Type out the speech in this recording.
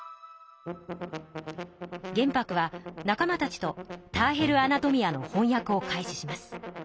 玄白は仲間たちと「ターヘル・アナトミア」のほんやくを開始します。